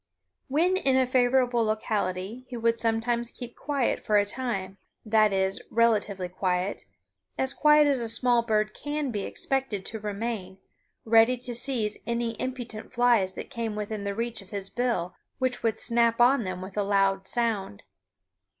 When in a favorable locality he would sometimes keep quiet for a time that is, relatively quiet as quiet as a small bird can be expected to remain, ready to seize any impudent flies that came within the reach of his bill, which would snap on them with a loud sound.